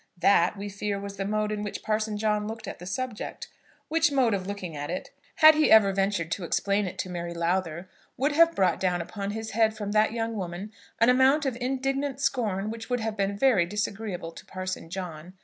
That, we fear, was the mode in which Parson John looked at the subject, which mode of looking at it, had he ever ventured to explain it to Mary Lowther, would have brought down upon his head from that young woman an amount of indignant scorn which would have been very disagreeable to Parson John.